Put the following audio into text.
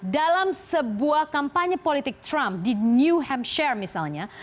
dalam sebuah kampanye politik trump di new hampshire misalnya